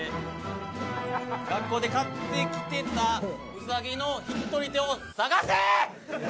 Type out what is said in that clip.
学校で飼ってきてたウサギの引きとり手を探すー！